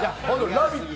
「ラヴィット！」